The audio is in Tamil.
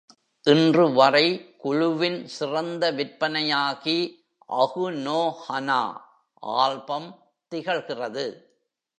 இன்றுவரை குழுவின் சிறந்த விற்பனையாகி "அகு நோ ஹனா" ஆல்பம் திகழ்கிறது.